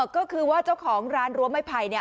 ก็คือว่าเจ้าของร้านรั้วไม้ไผ่เนี่ย